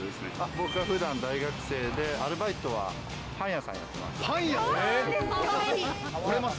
僕はふだん大学生で、アルバイトはパン屋さんやってます。